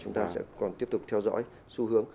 chúng ta sẽ còn tiếp tục theo dõi xu hướng